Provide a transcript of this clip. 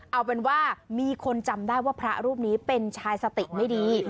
เอาเป็นว่ามีคนจำได้ว่าพระรูปนี้เป็นชายสติไม่ดี